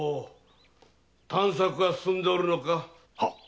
探索はすすんでおるのか？